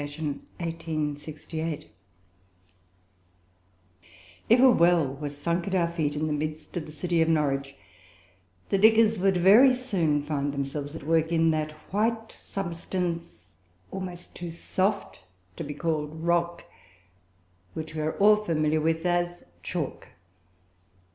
I ON A PIECE OF CHALK If a well were sunk at our feet in the midst of the city of Norwich, the diggers would very soon find themselves at work in that white substance almost too soft to be called rock, with which we are all familiar as "chalk."